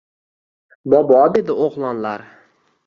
Bobo dedi: -O‘g‘lonlar